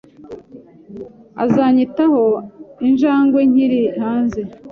Azanyitaho injangwe nkiri hanze.